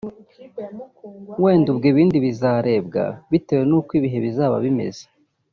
wenda ubwo ibindi bizarebwa bitewe nuko ibihe bizaba bimeze